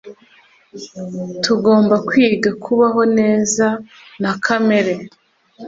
Tugomba kwiga kubaho neza na kamere.